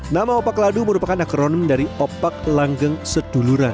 nama opak ladu merupakan akronmin dari opak langgeng seduluran